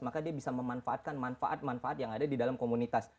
maka dia bisa memanfaatkan manfaat manfaat yang ada di dalam komunitas